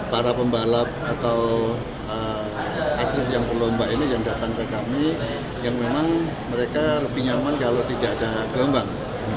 para pembalap atau atlet yang berlomba ini yang datang ke kami yang memang mereka lebih nyaman kalau tidak ada gelombang